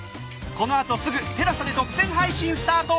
このあとすぐ ＴＥＬＡＳＡ で独占配信スタート！